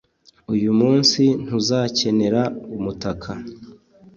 Uyu munsi ntuzakenera umutaka